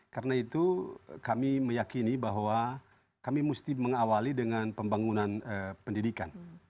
karena itu kami meyakini bahwa kami mesti mengawali dengan pembangunan pendidikan